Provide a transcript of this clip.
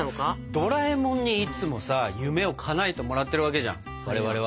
ドラえもんにいつもさ夢をかなえてもらってるわけじゃん我々は。